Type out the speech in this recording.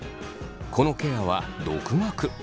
このケアは独学。